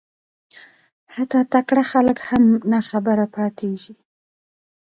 حتی تکړه خلک هم ناخبره پاتېږي